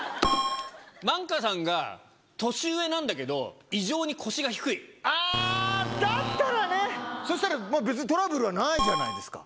万華さんが年上なんだけど、あー、だったらね。そうしたら、別にトラブルはないじゃないですか。